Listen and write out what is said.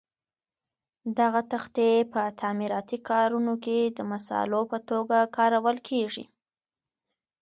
دغه تختې په تعمیراتي کارونو کې د مسالو په توګه کارول کېږي.